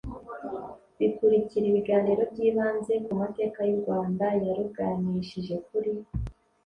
bikurikira ibiganiro byibanze ku mateka y u rwanda yaruganishije kuri